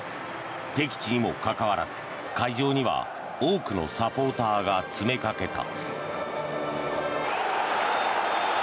敵地にもかかわらず会場には多くのサポーターが詰めかけた。